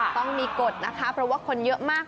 ต้องมีกฎนะคะเพราะว่าคนเยอะมาก